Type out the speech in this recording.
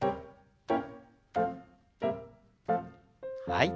はい。